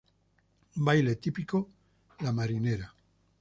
Baile Típico: La Marinera.